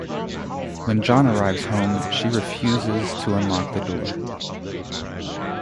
When John arrives home, she refuses to unlock the door.